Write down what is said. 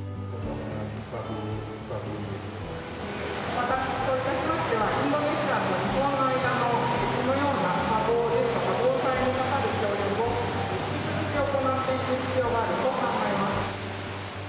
私といたしましては、インドネシアと日本の間の、このような砂防ダムの引き続き行っていく必要があると考えます。